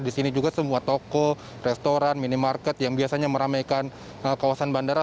di sini juga semua toko restoran minimarket yang biasanya meramaikan kawasan bandara